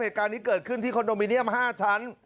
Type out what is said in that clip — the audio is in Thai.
เหตุการณ์นี้เกิดขึ้นที่คอนโดมิเนียม๕ชั้น